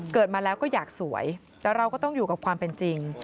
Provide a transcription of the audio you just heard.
เกิดมาแล้วก็อยากสวยแต่เราก็ต้องอยู่กับความเป็นจริง